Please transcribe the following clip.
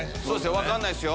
分かんないですよ。